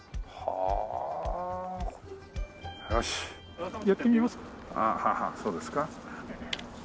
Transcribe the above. ああはあそうですか。